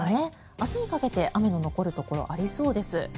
明日にかけて雨の残るところありそうです。